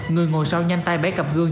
người ngồi sau nhanh tay bé cặp gương